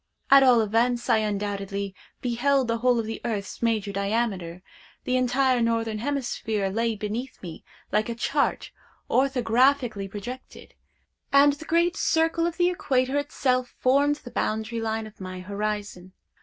At all events I undoubtedly beheld the whole of the earth's major diameter; the entire northern hemisphere lay beneath me like a chart orthographically projected: and the great circle of the equator itself formed the boundary line of my horizon.